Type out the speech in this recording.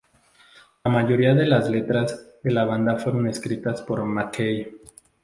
La mayoría de las letras de la banda fueron escritas por MacKaye.